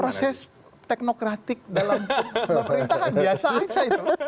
proses teknokratik dalam pemerintahan biasa aja itu